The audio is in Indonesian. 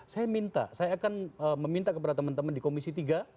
saya minta saya akan meminta kepada teman teman di komisi tiga